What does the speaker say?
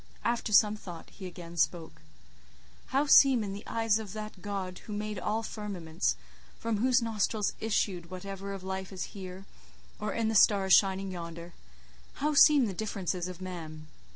After some thought he again spoke: "How seem in the eyes of that God who made all firmaments, from whose nostrils issued whatever of life is here, or in the stars shining yonder—how seem the differences of man?